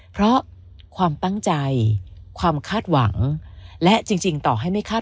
เพราะความตั้งใจความคาดหวังและจริงต่อให้ไม่คาด